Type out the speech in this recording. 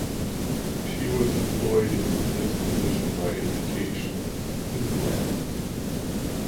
She was employed in this position by Education Queensland.